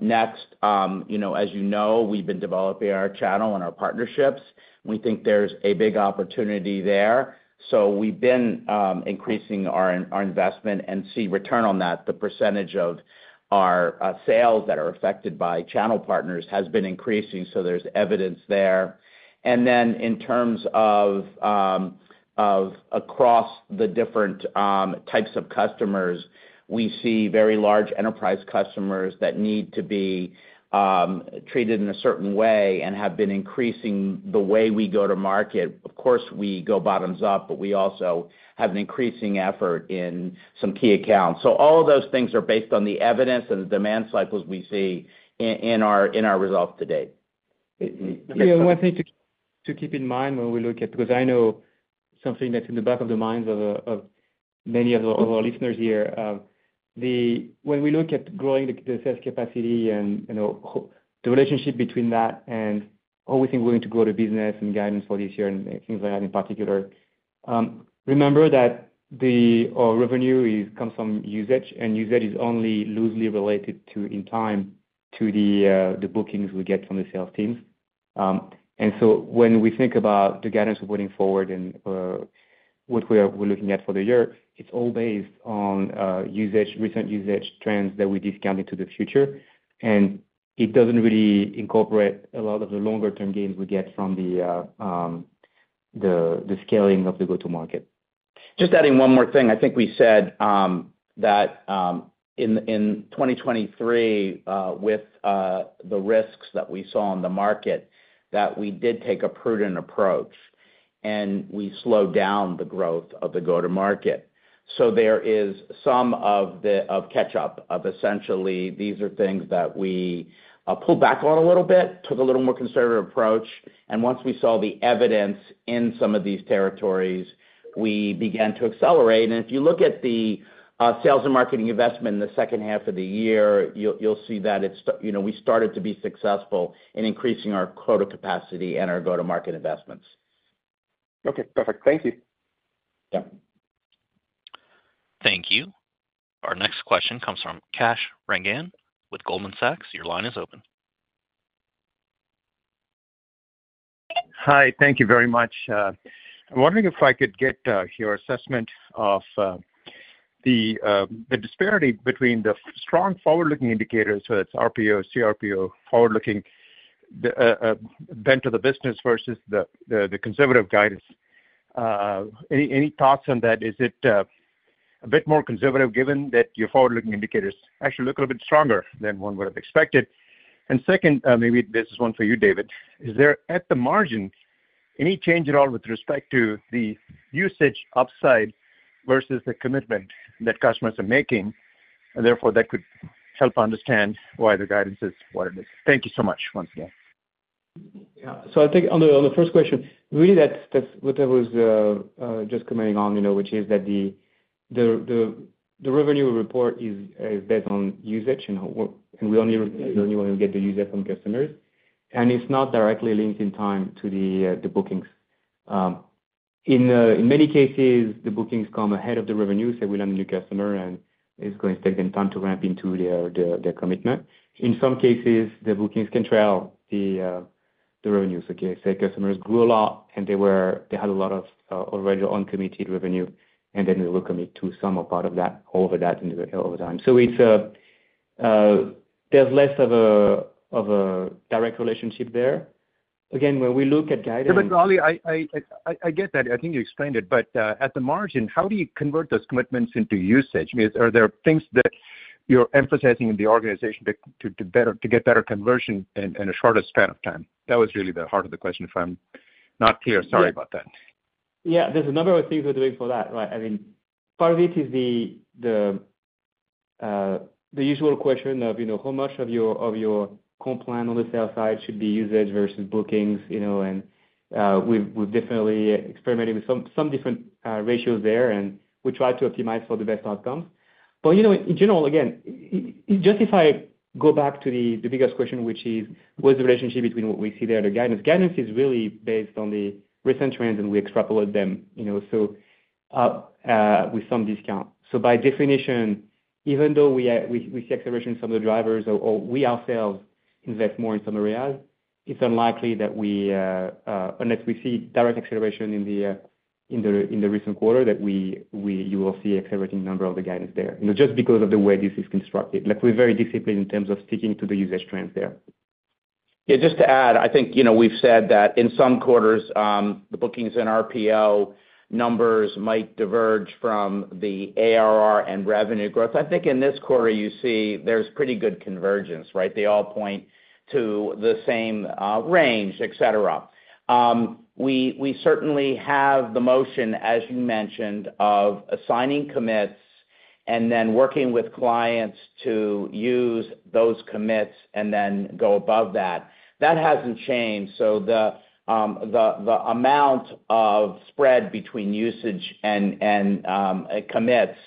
Next, as you know, we've been developing our channel and our partnerships. We think there's a big opportunity there. So we've been increasing our investment and see return on that. The percentage of our sales that are affected by channel partners has been increasing, so there's evidence there, and then in terms of across the different types of customers, we see very large enterprise customers that need to be treated in a certain way and have been increasing the way we go to market. Of course, we go bottoms up, but we also have an increasing effort in some key accounts. So all of those things are based on the evidence and the demand cycles we see in our results today. One thing to keep in mind when we look at, because I know something that's in the back of the minds of many of our listeners here, when we look at growing the sales capacity and the relationship between that and how we think we're going to grow the business and guidance for this year and things like that in particular, remember that the revenue comes from usage, and usage is only loosely related in time to the bookings we get from the sales teams. And so when we think about the guidance we're putting forward and what we're looking at for the year, it's all based on recent usage trends that we discount into the future. And it doesn't really incorporate a lot of the longer-term gains we get from the scaling of the go-to-market. Just adding one more thing. I think we said that in 2023, with the risks that we saw in the market, that we did take a prudent approach and we slowed down the growth of the go-to-market. So there is some of the catch-up of essentially these are things that we pulled back on a little bit, took a little more conservative approach. And once we saw the evidence in some of these territories, we began to accelerate. And if you look at the sales and marketing investment in the second half of the year, you'll see that we started to be successful in increasing our quota capacity and our go-to-market investments. Okay. Perfect. Thank you. Yeah. Thank you. Our next question comes from Kash Rangan with Goldman Sachs. Your line is open. Hi. Thank you very much. I'm wondering if I could get your assessment of the disparity between the strong forward-looking indicators, whether it's RPO, CRPO, forward-looking bent of the business versus the conservative guidance. Any thoughts on that? Is it a bit more conservative given that your forward-looking indicators actually look a little bit stronger than one would have expected? And second, maybe this is one for you, David, is there at the margin any change at all with respect to the usage upside versus the commitment that customers are making? And therefore, that could help understand why the guidance is what it is. Thank you so much once again. Yeah. So I think on the first question, really that's what I was just commenting on, which is that the revenue report is based on usage, and we only get the usage from customers. And it's not directly linked in time to the bookings. In many cases, the bookings come ahead of the revenue, say we land a new customer, and it's going to take them time to ramp into their commitment. In some cases, the bookings can trail the revenue. So say customers grew a lot, and they had a lot of already uncommitted revenue, and then they will commit to some or part of that over time. So there's less of a direct relationship there. Again, when we look at guidance. David, I get that. I think you explained it, but at the margin, how do you convert those commitments into usage? Are there things that you're emphasizing in the organization to get better conversion in a shorter span of time? That was really the heart of the question. If I'm not clear, sorry about that. Yeah. There's a number of things we're doing for that, right? I mean, part of it is the usual question of how much of your comp plan on the sales side should be usage versus bookings. And we've definitely experimented with some different ratios there, and we try to optimize for the best outcomes. But in general, again, just if I go back to the biggest question, which is, what's the relationship between what we see there and the guidance? Guidance is really based on the recent trends, and we extrapolate them with some discount. So by definition, even though we see acceleration in some of the drivers, or we ourselves invest more in some areas, it's unlikely that we, unless we see direct acceleration in the recent quarter, that you will see an accelerating number of the guidance there, just because of the way this is constructed. We're very disciplined in terms of sticking to the usage trends there. Yeah. Just to add, I think we've said that in some quarters, the bookings and RPO numbers might diverge from the ARR and revenue growth. I think in this quarter, you see there's pretty good convergence, right? They all point to the same range, etc. We certainly have the motion, as you mentioned, of assigning commits and then working with clients to use those commits and then go above that. That hasn't changed. So the amount of spread between usage and commits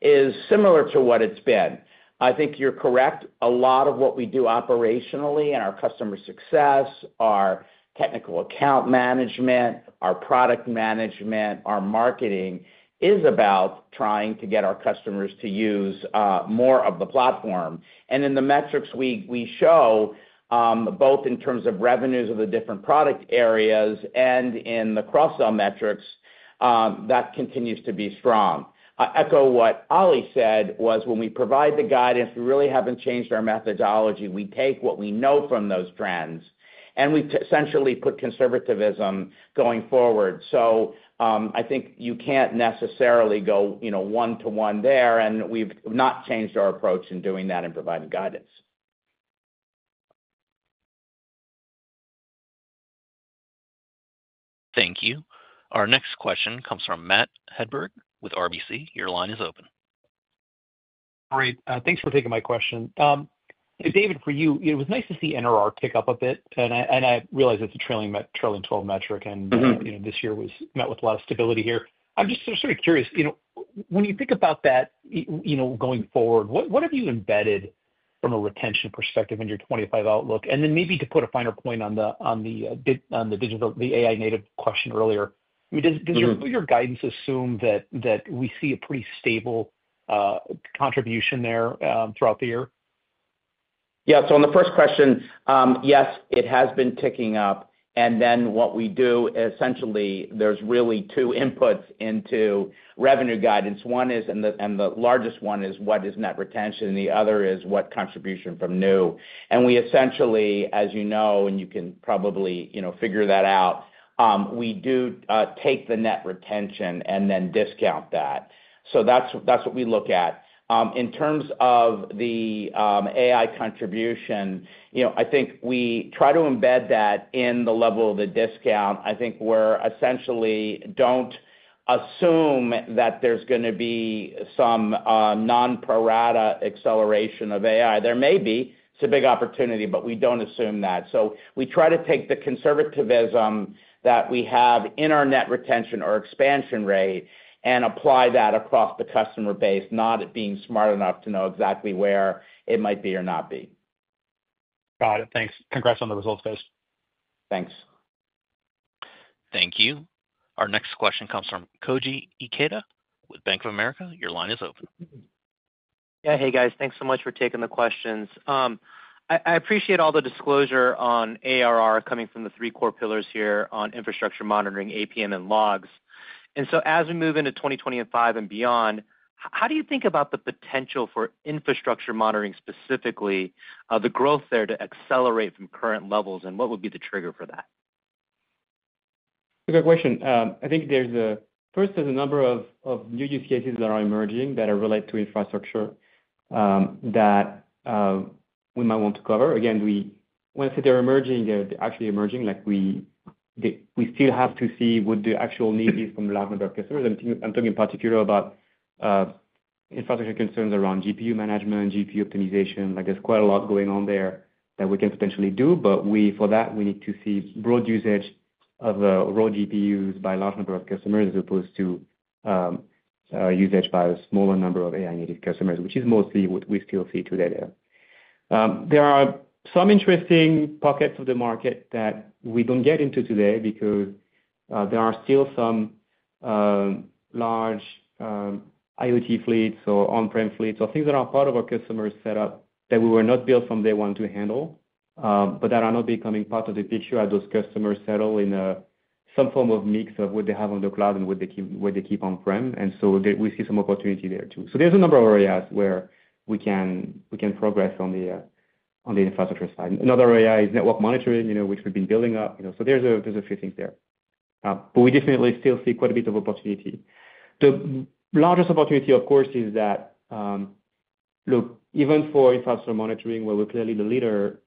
is similar to what it's been. I think you're correct. A lot of what we do operationally in our customer success, our technical account management, our product management, our marketing is about trying to get our customers to use more of the platform. And in the metrics we show, both in terms of revenues of the different product areas and in the cross-sell metrics, that continues to be strong. I echo what Oli said was when we provide the guidance, we really haven't changed our methodology. We take what we know from those trends, and we essentially put conservatism going forward. So I think you can't necessarily go one-to-one there, and we've not changed our approach in doing that and providing guidance. Thank you. Our next question comes from Matt Hedberg with RBC. Your line is open. Great. Thanks for taking my question. David, for you, it was nice to see NRR pick up a bit. And I realize it's a trailing 12 metric, and this year we met with a lot of stability here. I'm just sort of curious, when you think about that going forward, what have you embedded from a retention perspective in your 25 outlook? And then maybe to put a finer point on the AI-native question earlier, does your guidance assume that we see a pretty stable contribution there throughout the year? Yeah. So on the first question, yes, it has been ticking up. And then what we do, essentially, there's really two inputs into revenue guidance. One is, and the largest one is, what is net retention? And the other is, what contribution from new? And we essentially, as you know, and you can probably figure that out, we do take the net retention and then discount that. So that's what we look at. In terms of the AI contribution, I think we try to embed that in the level of the discount. I think we're essentially don't assume that there's going to be some non-linear acceleration of AI. There may be. It's a big opportunity, but we don't assume that. So we try to take the conservatism that we have in our net retention or expansion rate and apply that across the customer base, not being smart enough to know exactly where it might be or not be. Got it. Thanks. Congrats on the results, guys. Thanks. Thank you. Our next question comes from Koji Ikeda with Bank of America. Your line is open. Yeah. Hey, guys. Thanks so much for taking the questions. I appreciate all the disclosure on ARR coming from the three core pillars here on Infrastructure Monitoring, APM, and Logs. And so as we move into 2025 and beyond, how do you think about the potential for Infrastructure Monitoring specifically, the growth there to accelerate from current levels, and what would be the trigger for that? It's a good question. I think there's a first, there's a number of new use cases that are emerging that are related to infrastructure that we might want to cover. Again, when I say they're emerging, they're actually emerging. We still have to see what the actual need is from a large number of customers. I'm talking in particular about infrastructure concerns around GPU management, GPU optimization. There's quite a lot going on there that we can potentially do. But for that, we need to see broad usage of raw GPUs by a large number of customers as opposed to usage by a smaller number of AI-native customers, which is mostly what we still see today there. There are some interesting pockets of the market that we don't get into today because there are still some large IoT fleets or on-prem fleets or things that are part of our customer setup that we were not built from day one to handle, but that are now becoming part of the picture as those customers settle in some form of mix of what they have on the cloud and what they keep on-prem. And so we see some opportunity there too. So there's a number of areas where we can progress on the infrastructure side. Another area is Network Monitoring, which we've been building up. So there's a few things there. But we definitely still see quite a bit of opportunity. The largest opportunity, of course, is that, look, even for Infrastructure Monitoring, where we're clearly the leader,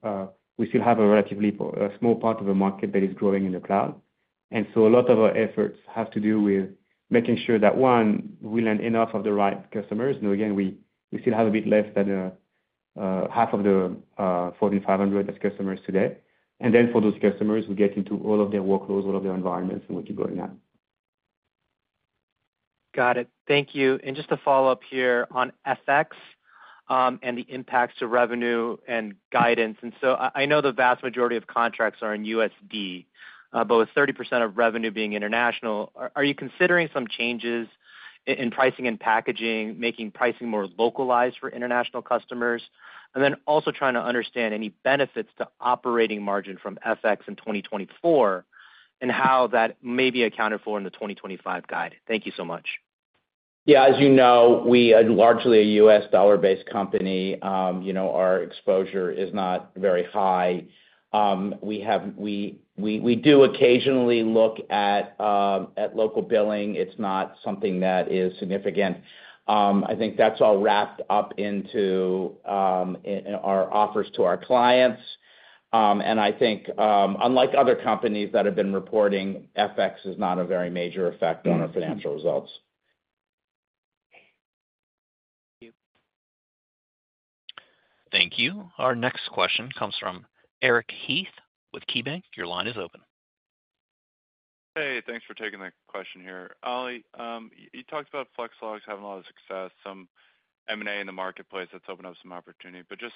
we still have a relatively small part of the market that is growing in the cloud. And so a lot of our efforts have to do with making sure that, one, we land enough of the right customers. Again, we still have a bit less than half of the Fortune 500 as customers today. And then for those customers, we get into all of their workloads, all of their environments, and we keep going up. Got it. Thank you. And just to follow up here on FX and the impacts to revenue and guidance. And so I know the vast majority of contracts are in USD, but with 30% of revenue being international, are you considering some changes in pricing and packaging, making pricing more localized for international customers? And then also trying to understand any benefits to operating margin from FX in 2024 and how that may be accounted for in the 2025 guide. Thank you so much. Yeah. As you know, we are largely a U.S. dollar-based company. Our exposure is not very high. We do occasionally look at local billing. It's not something that is significant. I think that's all wrapped up into our offers to our clients. And I think, unlike other companies that have been reporting, FX is not a very major effect on our financial results. Thank you. Thank you. Our next question comes from Eric Heath with KeyBank. Your line is open. Hey, thanks for taking the question here. Olivier, you talked about Flex Logs having a lot of success, some M&A in the marketplace that's opened up some opportunity. But just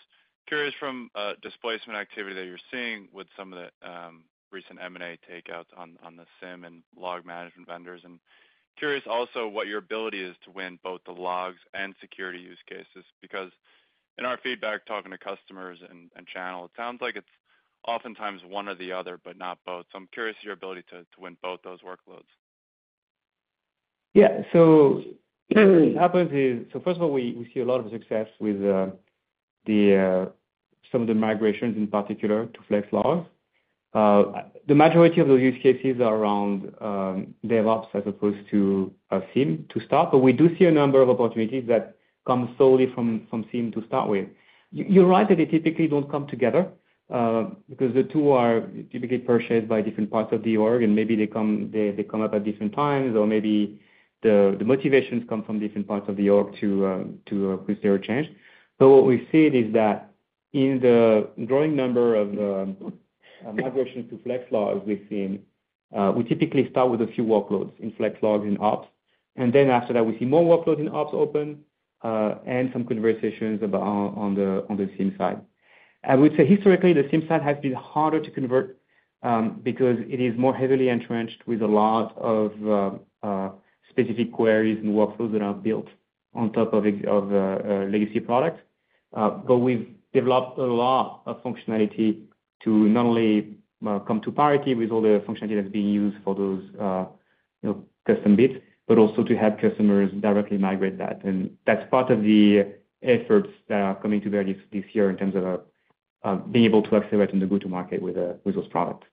curious from displacement activity that you're seeing with some of the recent M&A takeouts on the SIEM and Log Management vendors. And curious also what your ability is to win both the Logs and security use cases. Because in our feedback, talking to customers and channel, it sounds like it's oftentimes one or the other, but not both. So I'm curious your ability to win both those workloads. Yeah. So what happens is, so first of all, we see a lot of success with some of the migrations in particular to Flex Logs. The majority of those use cases are around DevOps as opposed to SIEM to start. But we do see a number of opportunities that come solely from SIEM to start with. You're right that they typically don't come together because the two are typically purchased by different parts of the org, and maybe they come up at different times, or maybe the motivations come from different parts of the org to push their change. But what we've seen is that in the growing number of migrations to Flex Logs, we've seen we typically start with a few workloads in Flex Logs and Ops. And then after that, we see more workloads in Ops open and some conversations on the SIEM side. I would say historically, the SIEM side has been harder to convert because it is more heavily entrenched with a lot of specific queries and workflows that are built on top of legacy products. But we've developed a lot of functionality to not only come to parity with all the functionality that's being used for those custom bits, but also to help customers directly migrate that. And that's part of the efforts that are coming to bear this year in terms of being able to accelerate on the go-to-market with those products.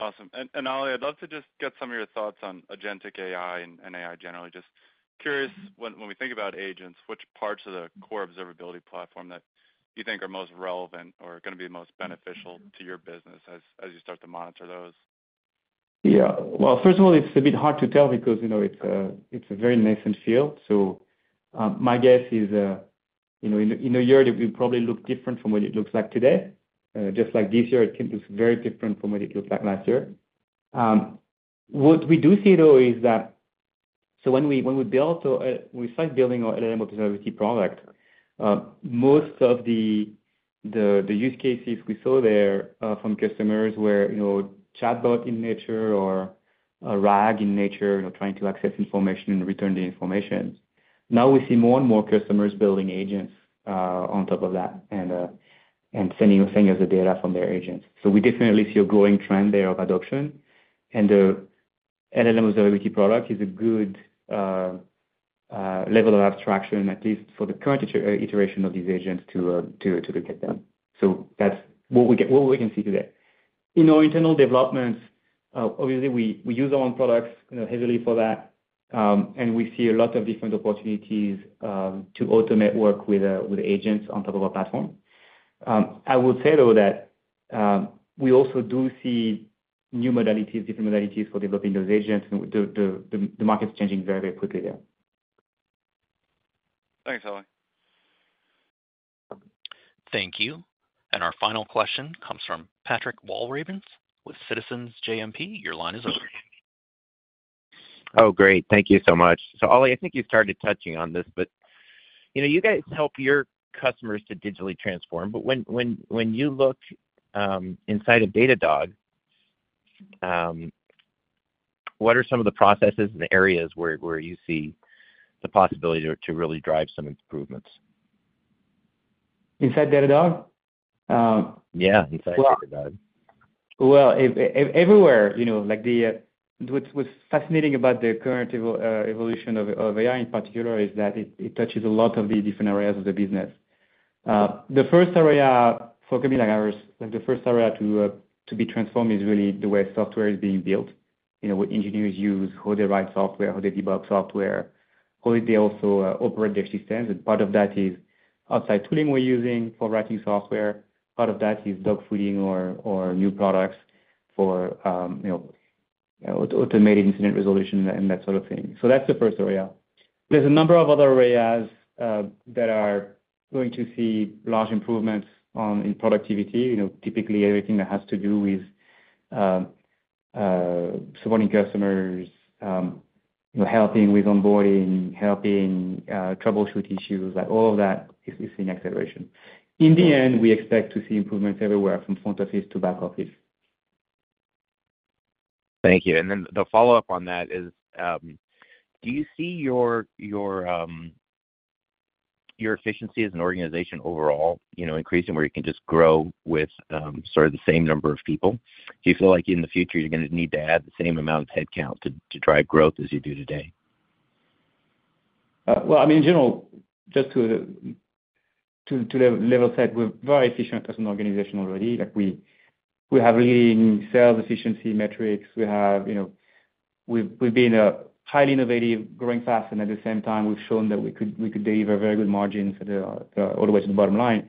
Awesome. And Alexis, I'd love to just get some of your thoughts on agentic AI and AI generally. Just curious, when we think about agents, which parts of the core observability platform that you think are most relevant or going to be most beneficial to your business as you start to monitor those? Yeah. Well, first of all, it's a bit hard to tell because it's a very nascent field. So my guess is in a year, it will probably look different from what it looks like today. Just like this year, it looks very different from what it looked like last year. What we do see, though, is that so when we start building our LLM Observability product, most of the use cases we saw there from customers were chatbot in nature or RAG in nature, trying to access information and return the information. Now we see more and more customers building agents on top of that and sending us the data from their agents. So we definitely see a growing trend there of adoption. And the LLM Observability product is a good level of abstraction, at least for the current iteration of these agents, to look at them. So that's what we can see today. In our internal developments, obviously, we use our own products heavily for that. And we see a lot of different opportunities to automate work with agents on top of our platform. I will say, though, that we also do see new modalities, different modalities for developing those agents. The market's changing very, very quickly there. Thanks, Oli. Thank you. And our final question comes from Patrick Walravens with Citizens JMP. Your line is open. Oh, great. Thank you so much. So Oli, I think you started touching on this, but you guys help your customers to digitally transform. But when you look inside of Datadog, what are some of the processes and areas where you see the possibility to really drive some improvements? Inside Datadog? Yeah, inside Datadog. Well, everywhere. What's fascinating about the current evolution of AI in particular is that it touches a lot of the different areas of the business. The first area for companies like ours, the first area to be transformed is really the way software is being built. What engineers use, how they write software, how they debug software, how they also operate their systems. And part of that is outside tooling we're using for writing software. Part of that is dogfooding or new products for automated incident resolution and that sort of thing. So that's the first area. There's a number of other areas that are going to see large improvements in productivity. Typically, everything that has to do with supporting customers, helping with onboarding, helping troubleshoot issues, all of that is seeing acceleration. In the end, we expect to see improvements everywhere from front office to back office. Thank you. And then the follow-up on that is, do you see your efficiency as an organization overall increasing where you can just grow with sort of the same number of people? Do you feel like in the future you're going to need to add the same amount of headcount to drive growth as you do today? Well, I mean, in general, just to level set, we're very efficient as an organization already. We have leading sales efficiency metrics. We've been a highly innovative, growing fast, and at the same time, we've shown that we could deliver very good margins all the way to the bottom line.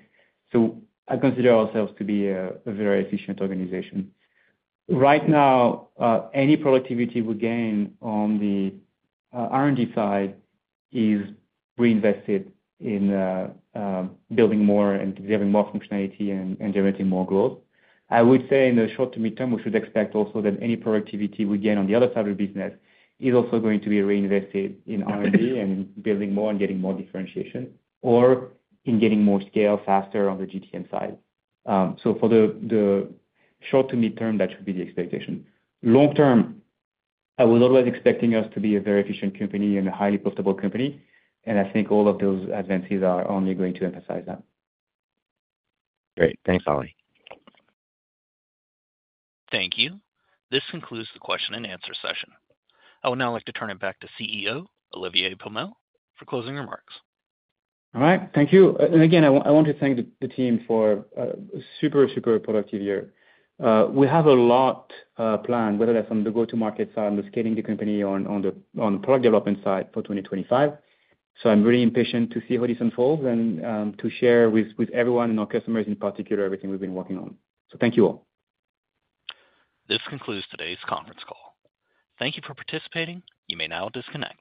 So I consider ourselves to be a very efficient organization. Right now, any productivity we gain on the R&D side is reinvested in building more and delivering more functionality and generating more growth. I would say in the short to mid-term, we should expect also that any productivity we gain on the other side of the business is also going to be reinvested in R&D and in building more and getting more differentiation or in getting more scale faster on the GTM side. So for the short to mid-term, that should be the expectation. Long term, I was always expecting us to be a very efficient company and a highly profitable company. And I think all of those advances are only going to emphasize that. Great. Thanks, Oli. Thank you. This concludes the question and answer session. I would now like to turn it back to CEO Olivier Pomel for closing remarks. All right. Thank you. And again, I want to thank the team for a super, super productive year. We have a lot planned, whether that's on the go-to-market side, on the scaling of the company, or on the product development side for 2025. So I'm really impatient to see how this unfolds and to share with everyone and our customers in particular everything we've been working on. So thank you all. This concludes today's conference call. Thank you for participating. You may now disconnect.